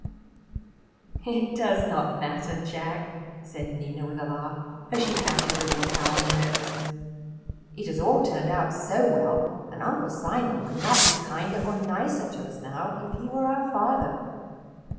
"It does not matter, Jack," said Nina, with a laugh, as she patted Brindle Cow on the nose. "It has all turned out so well and Uncle Simon could not be kinder or nicer to us now if he were our father.